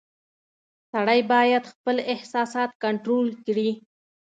• سړی باید خپل احساسات کنټرول کړي.